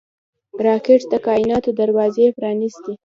راکټ د کائناتو دروازې پرانېستي